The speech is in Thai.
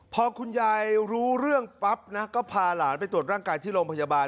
พอคุณยายรู้เรื่องปั๊บนะก็พาหลานไปตรวจร่างกายที่โรงพยาบาล